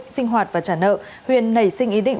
sinh hoạt và trả nợ huyền nảy sinh ý định